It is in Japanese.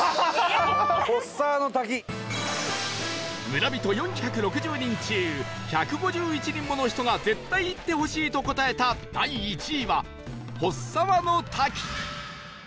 村人４６０人中１５１人もの人が絶対行ってほしいと答えた第１位は払沢の滝